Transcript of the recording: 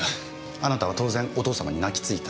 あなたは当然お父様に泣きついた。